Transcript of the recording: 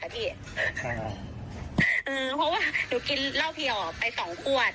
เพราะว่าหนูกินเล่าเพียบไป๒ขวด